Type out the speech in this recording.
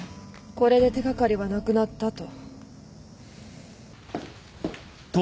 これで手掛かりはなくなったと。